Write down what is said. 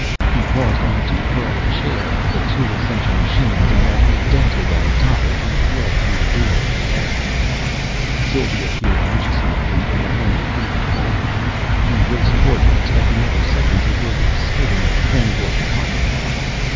He paused only to hurl a chair at the two essential machines, and as they dented and toppled, he fled through the door and away. Sylva peered anxiously at him from behind a huge boulder. He raced toward her, expecting every second to hear the spitting of Kreynborg's pocket gun.